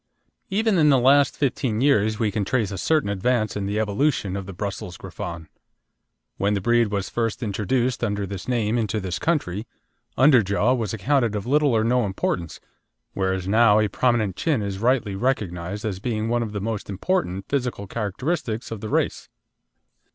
Even in the last fifteen years we can trace a certain advance in the evolution of the Brussels Griffon. When the breed was first introduced under this name into this country, underjaw was accounted of little or no importance, whereas now a prominent chin is rightly recognised as being one of the most important physical characteristics of the race.